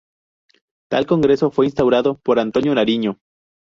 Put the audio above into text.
Tal congreso fue instaurado por Antonio Nariño.